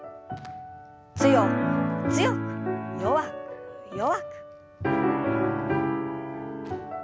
強く強く弱く弱く。